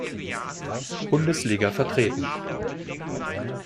Bundesliga vertreten.